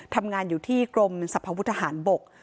ทำงานอยู่ที่กรมสรรพวุฒหารบก